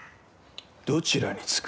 どちらにつく？